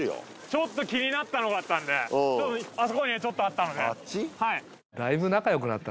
ちょっと気になったのがあったんであそこにちょっとあったのであっち？